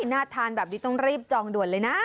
น่าทานแบบนี้ต้องรีบจองด่วนเลยนะ